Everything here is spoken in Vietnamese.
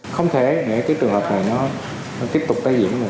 không thể để cái trường hợp này nó tiếp tục tái diễn ra